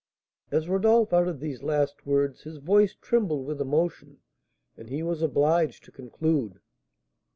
As Rodolph uttered these last words his voice trembled with emotion, and he was obliged to conclude.